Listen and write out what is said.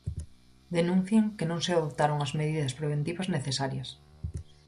Denuncian que non se adoptaron as medidas preventivas necesarias.